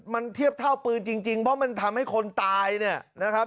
มันเทียบเท่าปืนจริงเพราะมันทำให้คนตายเนี่ยนะครับ